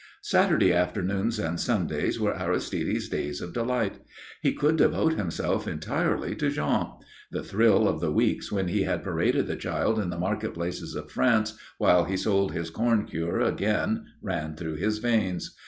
Saturday afternoons and Sundays were Aristide's days of delight. He could devote himself entirely to Jean. The thrill of the weeks when he had paraded the child in the market places of France while he sold his corn cure again ran through his veins.